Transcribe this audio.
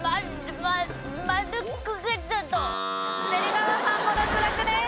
芹沢さんも脱落です。